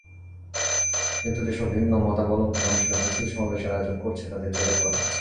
কিন্তু যেসব ভিন্নমতাবলম্বী মানুষেরা মিছিল-সমাবেশের আয়োজন করছে, তাদের জেলে পোরা হচ্ছে।